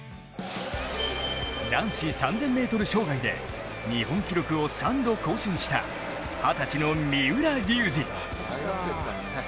男子３０００ｍ障害で日本記録を３度更新した二十歳の三浦龍司。